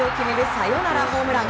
サヨナラホームラン。